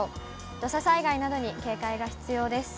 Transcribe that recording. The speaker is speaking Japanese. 土砂災害などに警戒が必要です。